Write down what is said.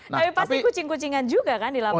tapi pasti kucing kucingan juga kan di lapangan